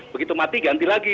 begitu mati ganti lagi